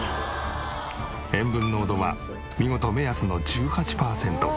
塩分濃度は見事目安の１８パーセント。